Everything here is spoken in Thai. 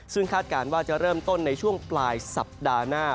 ซึ่งคาดการณ์ว่าจะเริ่มต้นในช่วงปลายสัปดาห์หน้า